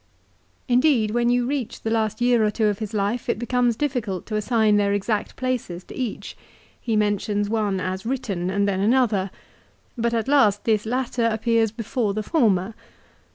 Indeed when you reach the last year or two of his life, it becomes difficult to assign their exact places to each. He mentions one as written, and then another; but at last this latter appears before the former.